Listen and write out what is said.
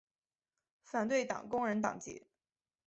反对党工人党籍。